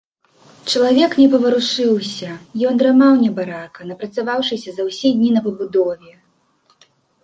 Чалавек не паварушыўся, ён драмаў, небарака, напрацаваўшыся за ўсе дні на пабудове.